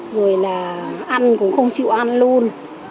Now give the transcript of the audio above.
rồi là ăn cũng không chịu ăn luôn